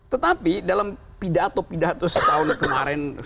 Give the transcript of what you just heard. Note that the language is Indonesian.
tetapi dalam pidato pidato setahun kemarin